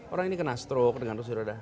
orang ini kena stroke dengan kursi roda